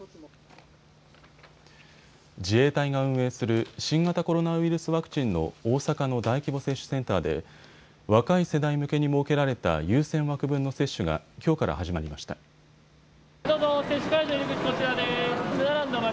自衛隊が運営する新型コロナウイルスワクチンの大阪の大規模接種センターで若い世代向けに設けられた優先枠分の接種がきょうから始まりました。